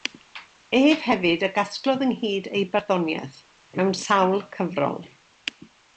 Ef hefyd a gasglodd ynghyd ei barddoniaeth, mewn sawl cyfrol.